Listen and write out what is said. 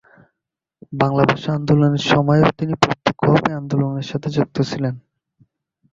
বাংলা ভাষা আন্দোলনের সময়ও তিনি প্রত্যক্ষভাবে আন্দোলনের সাথে যুক্ত ছিলেন।